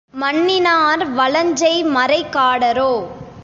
மண்ணினார் வலஞ்செய் மறைக் காடரோ!